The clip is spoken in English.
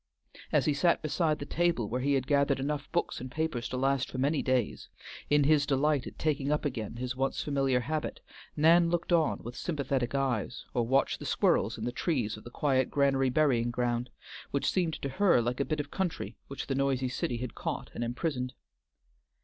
As he sat beside the table where he had gathered enough books and papers to last for many days, in his delight at taking up again his once familiar habit, Nan looked on with sympathetic eyes, or watched the squirrels in the trees of the quiet Granary Burying Ground, which seemed to her like a bit of country which the noisy city had caught and imprisoned.